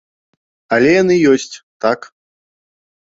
Але яны ёсць, так.